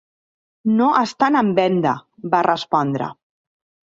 "No estan en venda", va respondre.